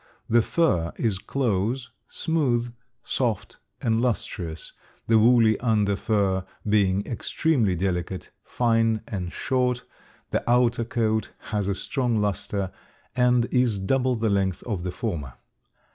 The fur is close, smooth, soft, and lustrous, the woolly under fur being extremely delicate, fine, and short; the outer coat has a strong luster, and is double the length of the former.